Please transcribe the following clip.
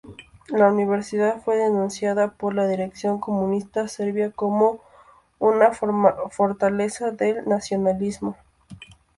La universidad fue denunciada por la dirección comunista serbia como una "fortaleza del nacionalismo".